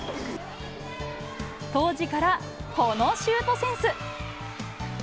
当時からこのシュートセンス。